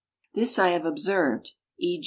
This I have observed, e.